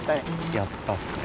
やったっすね！